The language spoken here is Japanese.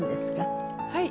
はい。